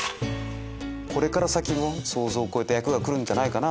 これから先も想像を超えた役が来るかなぁ。